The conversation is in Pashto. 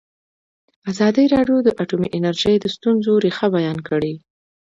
ازادي راډیو د اټومي انرژي د ستونزو رېښه بیان کړې.